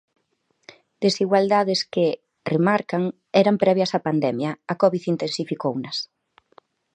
Desigualdades que ─remarcan─ eran previas á pandemia; a Covid intensificounas.